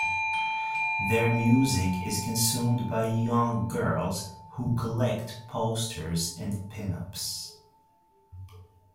Their music is consumed by young girls, who collect posters and pin ups.